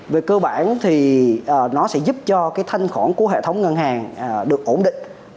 về cơ bản thì nó sẽ giúp cho thanh khoản của hệ thống ngân hàng được ổn định